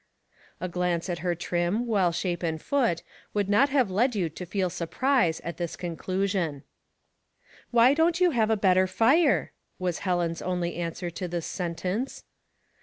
A glance at her trim, well shapen foot would not have led you to feel surprise at this conclu sion. "Why don't you have a better fire?" was Helen's only answer to this sentence.